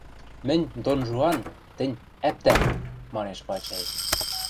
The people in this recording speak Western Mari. — Мӹнь — Дон-Жуан, тӹнь — ӓптӓн! — манеш Вачай.